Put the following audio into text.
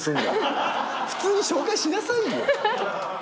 普通に紹介しなさいよ。